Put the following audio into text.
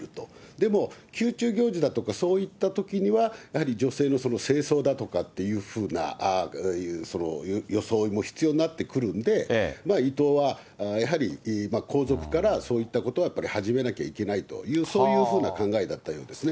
でも、宮中行事だとかそういったときにはやはり、女性の正装だとかっていうふうな装いも必要になってくるんで、伊藤はやはり、皇族から、そういったことは始めなきゃいけないという、そういうふうな考えだったようですね。